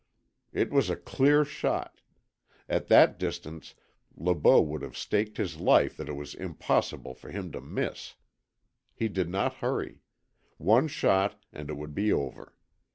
It was a clear shot. At that distance Le Beau would have staked his life that it was impossible for him to miss. He did not hurry. One shot, and it would be over.